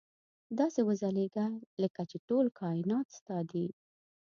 داسې وځلېږه لکه چې ټول کاینات ستا دي.